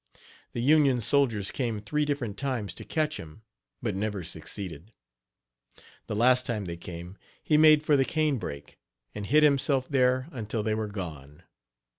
The Union soldiers came three different times to catch him, but never succeeded. The last time they came, he made for the canebrake, and hid himself there until they were gone.